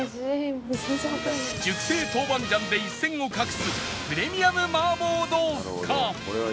熟成豆板醤で一線を画すプレミアム麻婆豆腐か？